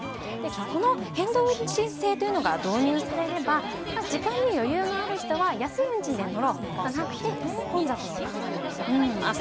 この変動運賃制というのが導入されれば時間に余裕がある人は安い運賃で乗ろうとなって混雑の緩和につながります。